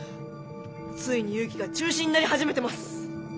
ついに祐樹が中心になり始めてます。